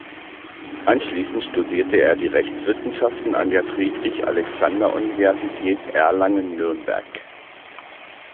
Anschließend studierte er die Rechtswissenschaften an der Friedrich-Alexander-Universität Erlangen-Nürnberg.